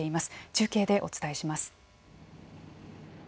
中継でお伝えします。